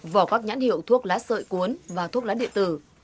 vỏ các nhãn hiệu thuốc lá sợi cuốn và thuốc lá điện tử